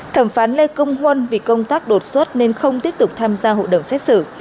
thẩm phán lê công huân vì công tác đột xuất nên không tiếp tục tham gia hội đồng xét xử